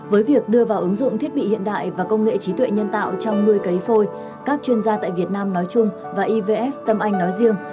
với việc đưa vào ứng dụng thiết bị hiện đại và công nghệ trí tuệ nhân tạo trong nuôi cấy phôi các chuyên gia tại việt nam nói chung và ivf tâm anh nói riêng